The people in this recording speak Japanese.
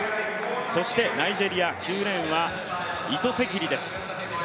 そしてナイジェリア、９レーンはイトセキリです。